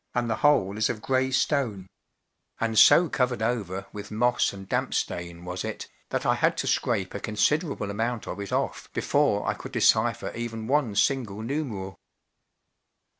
and the whole is of grey stone; and so covered over with moss and damp stain was it, that I had £0 scrape a considerable amount of it off before I could decipher even one single numeral.